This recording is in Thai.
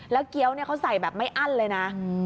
แล้วเกี้ยวเขาใส่แบบไม่อั้นเลยนะ